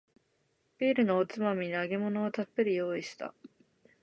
ビールのおつまみに揚げ物をたっぷり用意した